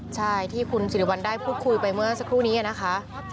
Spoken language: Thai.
ใช่ที่คุณสิริวัลได้พูดคุยไปเมื่อสักครู่นี้นะคะ